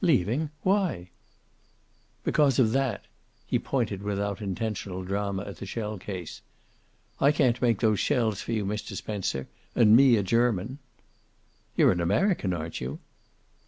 "Leaving! Why?" "Because of that!" He pointed, without intentional drama, at the shell case. "I can't make those shells for you, Mr. Spencer, and me a German." "You're an American, aren't you?"